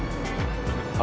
あ